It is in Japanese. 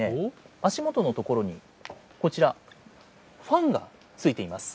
足元のところにこちら、ファンがついています。